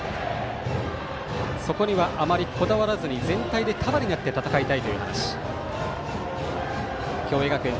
そこにはあまりこだわらずに全体で束になって戦いたいという話。